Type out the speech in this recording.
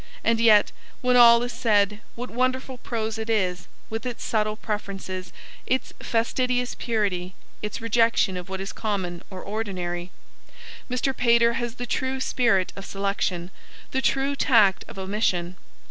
And yet, when all is said, what wonderful prose it is, with its subtle preferences, its fastidious purity, its rejection of what is common or ordinary! Mr. Pater has the true spirit of selection, the true tact of omission.